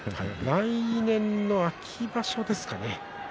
来年の秋場所ですかね。